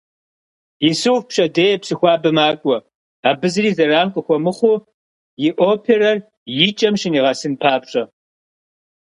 Исуф пщэдей Псыхуабэ макӏуэ, абы зыри зэран къыхуэмыхъуу, и оперэр икӏэм щынигъэсын папщӏэ.